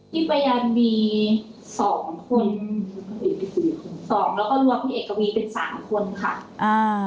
ที่ไปยันมี๒คน๒แล้วก็รวมคุณเอกวีเป็น๓คนค่ะ